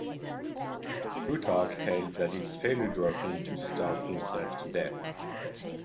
Plutarch held that its failure drove him to starve himself to death.